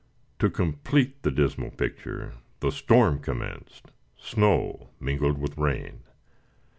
To complete the dismal picture, the storm commenced snow mingled with rain.